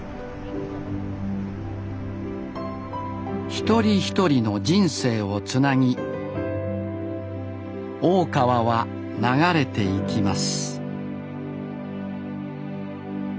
一人一人の人生をつなぎ大川は流れていきます